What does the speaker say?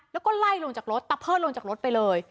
แล้วก็ไล่ลงจากรถตะเพิดลงจากรถไปเลย